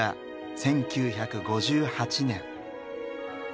１９５８年。